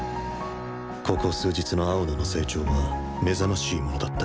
ここ数日の青野の成長は目覚ましいものだった。